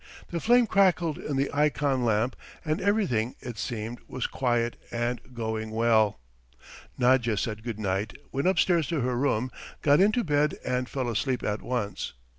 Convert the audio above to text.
The flame crackled in the ikon lamp and everything, it seemed, was quiet and going well. Nadya said good night, went upstairs to her room, got into bed and fell asleep at once.